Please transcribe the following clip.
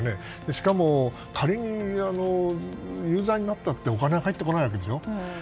しかも、仮に有罪になったってお金は入ってこないわけでしょ。